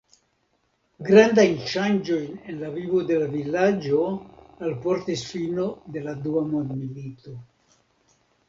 Grandajn ŝanĝojn en la vivo de la vilaĝo alportis fino de la dua mondmilito.